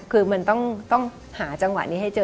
คือมันต้องหาจังหวะนี้ให้เจอ